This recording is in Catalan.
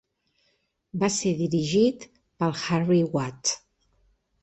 Va ser dirigit pel Harry Watt.